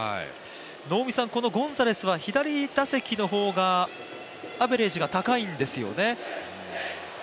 このゴンザレスは左打席の方がアベレージが高いんですよね。